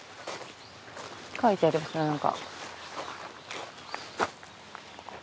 書いてある何か。